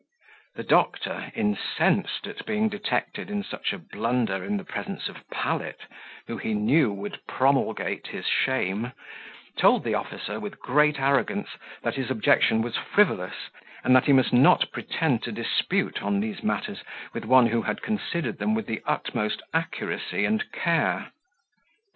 The doctor, incensed at being detected in such a blunder in the presence of Pallet, who, he knew, would promulgate his shame, told the officer, with great arrogance, that his objection was frivolous, and that he must not pretend to dispute on these matters with one who had considered them with the utmost accuracy and care.